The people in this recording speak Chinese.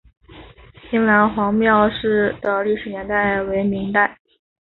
平凉隍庙的历史年代为明代。